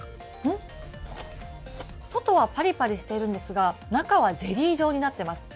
外はパリパリしているんですが中はゼリー状になっています。